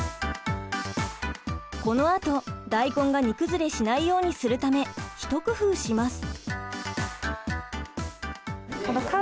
このあと大根が煮崩れしないようにするため一工夫します。